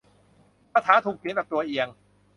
คาถาถูกเขียนแบบตัวเอียง